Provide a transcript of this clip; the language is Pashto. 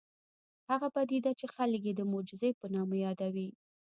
هغه پدیده چې خلک یې د معجزې په نامه یادوي